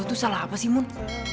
gua tuh salah apa sih mun